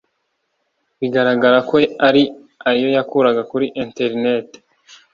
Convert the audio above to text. bigaragara ko ari ayo yakuraga kuri internet